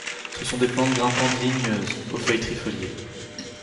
Ce sont des plantes grimpantes ligneuses, aux feuilles trifoliées.